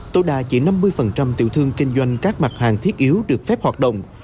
tối đa chỉ năm mươi tiểu thương kinh doanh các mặt hàng thiết yếu được phép hoạt động